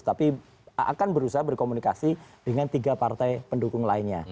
tapi akan berusaha berkomunikasi dengan tiga partai pendukung lainnya